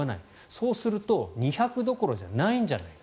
そうすると２００どころじゃないんじゃないか。